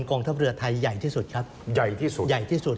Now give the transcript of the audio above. กองทับเรือไทยใหญ่ที่สุดครับใหญ่ที่สุด